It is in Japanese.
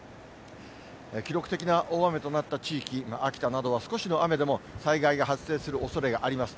記録的な大雨となった地域、秋田などは、少しの雨でも災害が発生するおそれがあります。